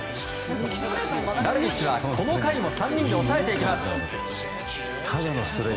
ダルビッシュは、この回も３人で抑えていきます。